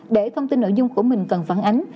để thông tin nội dung của mình cần phản ánh